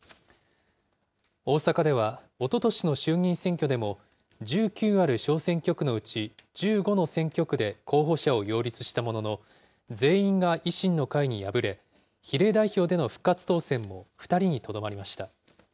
大阪では、おととしの衆議院選挙でも、１９ある小選挙区のうち１５の選挙区で候補者を擁立したものの、全員が維新の会に敗れ、比例代表での復活当選も２人にとどまりました。